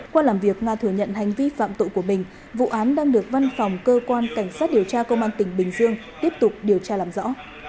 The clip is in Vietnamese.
qua làm việc nga thừa nhận hành vi phạm tội của mình vụ án đang được văn phòng cơ quan cảnh sát điều tra công an tỉnh bình dương tiếp tục điều tra làm rõ